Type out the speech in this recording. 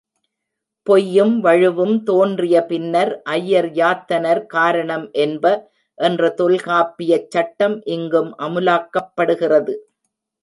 பொய்யும் வழுவும் தோன்றிய பின்னர், ஐயர் யாத்தனர் கரணம் என்ப என்ற தொல்காப்பியச் சட்டம் இங்கும் அமுலாக்கப்படுகிறது.